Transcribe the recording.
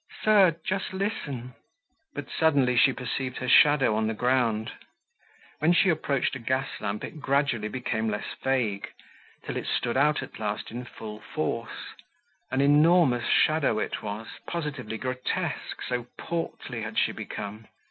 "Sir, just listen." But suddenly she perceived her shadow on the ground. When she approached a gas lamp it gradually became less vague, till it stood out at last in full force—an enormous shadow it was, positively grotesque, so portly had she become.